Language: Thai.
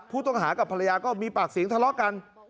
ผู้ต้องหากับภรรยาก็มีปากเสียงทะเลาะกัน